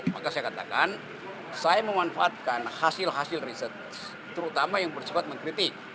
maka saya katakan saya memanfaatkan hasil hasil riset terutama yang bersifat mengkritik